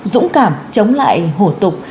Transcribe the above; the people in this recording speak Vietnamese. dũng cảm chống lại hổ tục